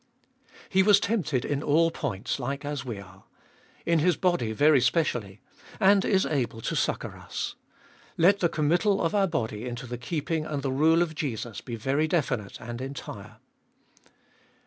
2. He was tempted In all points, like as we are— in His body very specially, and is able to succour us. Let the committal of our body into the keeping and the rule of Jesus be very definite and entire.